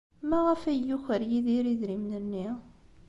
Maɣef ay yuker Yidir idrimen-nni?